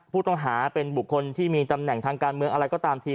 ผู้ต้องหาเป็นบุคคลที่มีตำแหน่งทางการเมืองอะไรก็ตามที